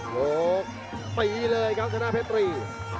โหตีเลยครับธนาดิ์เผ็ดตี